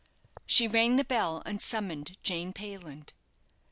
She rang the bell, and summoned Jane Payland.